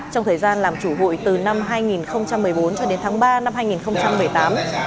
trong thời gian làm chủ hụi từ năm hai nghìn một mươi bốn cho đến tháng ba năm hai nghìn một mươi tám